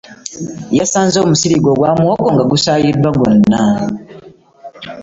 Yasanze omusiri gwe ogwa muwongo nga gusayiddwa gwonna